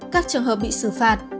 các trường hợp bị phá hủy